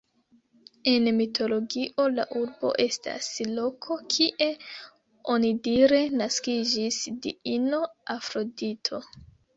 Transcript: En mitologio la urbo estas loko, kie onidire naskiĝis diino Afrodito.